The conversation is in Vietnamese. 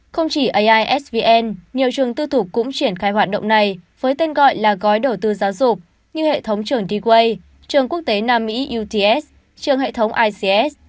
không chỉ aisvn nhiều trường tư thục cũng triển khai hoạt động này với tên gọi là gói đầu tư giáo dục như hệ thống trường dway trường quốc tế nam mỹ uts trường hệ thống ics